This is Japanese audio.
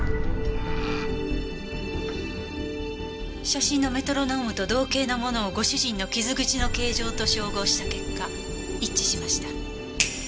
写真のメトロノームと同型のものをご主人の傷口の形状と照合した結果一致しました。